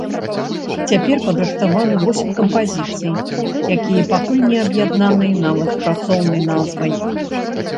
Цяпер падрыхтавана восем кампазіцый, якія пакуль не аб'яднаныя нават працоўнай назвай.